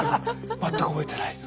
全く覚えてないです？